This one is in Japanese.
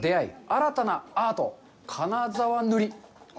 新たなアート金沢塗り。